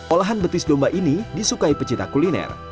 olahan betis domba ini disukai pecinta kuliner